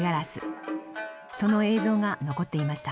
その映像が残っていました。